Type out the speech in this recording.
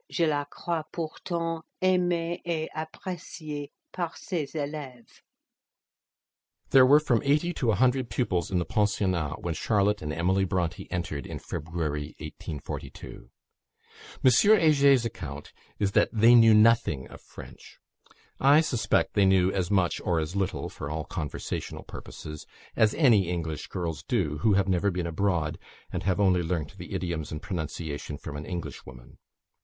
Je la crois pourtant aimee et appreciee par ses eleves." There were from eighty to a hundred pupils in the pensionnat, when Charlotte and Emily Bronte entered in February 1842. M. Heger's account is that they knew nothing of French. I suspect they knew as much (or as little), for all conversational purposes, as any English girls do, who have never been abroad, and have only learnt the idioms and pronunciation from an Englishwoman.